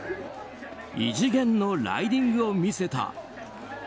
異次元のライディングを見せた。